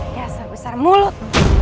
biasa besar mulut